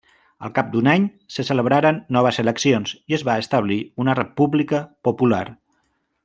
Al cap d'un any se celebraren noves eleccions, i es va establir una república popular.